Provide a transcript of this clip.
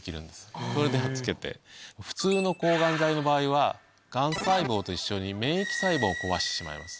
普通の抗ガン剤の場合はガン細胞と一緒に免疫細胞も壊してしまいます。